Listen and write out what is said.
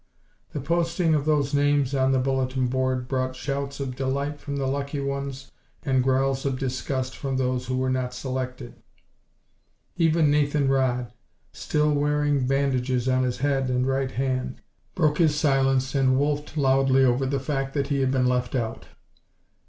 The posting of those names on the bulletin board brought shouts of delight from the lucky ones and growls of disgust from those who were not selected. Even Nathan Rodd, still wearing bandages on his head and right hand, broke his silence and wolfed loudly over the fact that he had been left out.